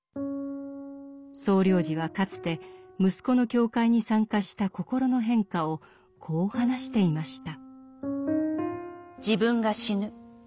総領事はかつて息子の教会に参加した心の変化をこう話していました。